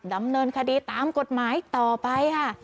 ดำเนินคดีตามกฎหมายต่อไปค่ะ